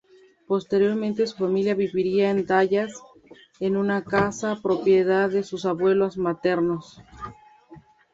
Posteriormente su familia viviría en Dallas, en una casa propiedad de sus abuelos maternos.